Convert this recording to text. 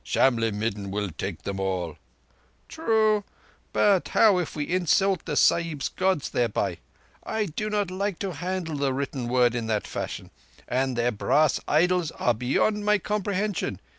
"Shamlegh midden will take them all." "True! But how if we insult the Sahibs' Gods thereby! I do not like to handle the Written Word in that fashion. And their brass idols are beyond my comprehension.